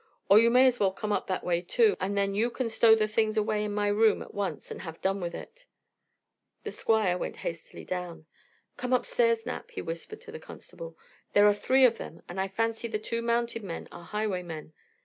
Or you may as well come up that way, too, and then you can stow the things away in my room at once, and have done with it." The Squire went hastily down. "Come upstairs, Knapp," he whispered to the constable. "There are three of them, and I fancy the two mounted men are highwaymen.